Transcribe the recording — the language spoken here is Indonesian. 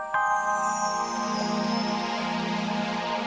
ya ampun osobah